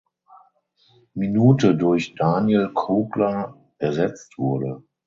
Minute durch Daniel Kogler ersetzt wurde.